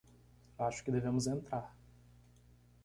Acho que devemos entrar.